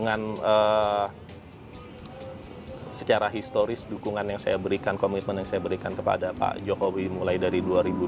dengan secara historis dukungan yang saya berikan komitmen yang saya berikan kepada pak jokowi mulai dari dua ribu dua puluh